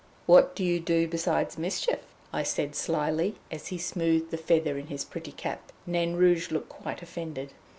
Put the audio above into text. "What do you do besides mischief?" I said slyly, as he smoothed the feather in his pretty cap. Nain Rouge looked quite offended.